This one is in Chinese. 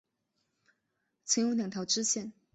曾有两条支线。